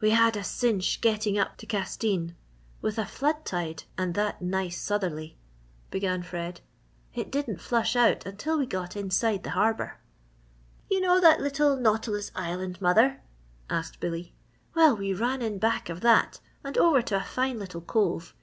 "We had a cinch getting up to Castine, with a flood tide and that nice southerly," began Fred; "it didn't flush out until we got inside the harbour." "You know that little Nautilus Island, mother?" asked Billy. "Well, we ran in back of that and over to a fine little cove.